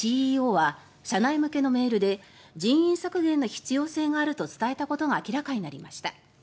ＣＥＯは社内向けのメールで人員削減の必要性があると伝えたことが明らかになりました。